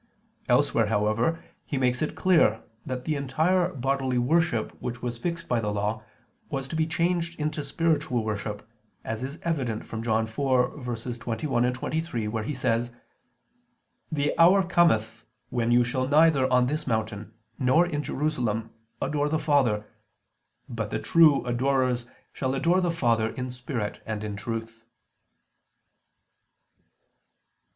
Elsewhere, however, He makes it clear that the entire bodily worship which was fixed by the Law, was to be changed into spiritual worship: as is evident from John 4:21, 23, where He says: "The hour cometh when you shall neither on this mountain, nor in Jerusalem adore the Father ... but ... the true adorers shall adore the Father in spirit and in truth."